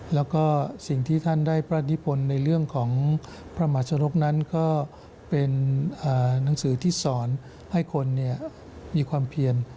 แล้วก็สิ่งที่ท่านได้พระนิพลในเรื่องของพระมหาชนกนั้นก็เป็นหนังสือที่สอนให้คนมีความเพียร